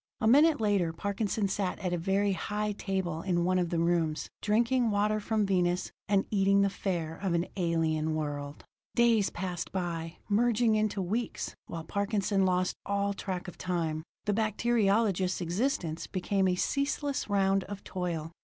A minute later Parkinson sat at a very high table in one of the rooms, drinking water from Venus, and eating the fare of an alien world. Days passed by, merging into weeks, while Parkinson lost all track of time. The bacteriologist's existence became a ceaseless round of toil.